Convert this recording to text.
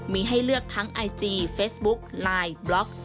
มีให้เลือกทั้งไอจีเฟซบุ๊กไลน์บล็อก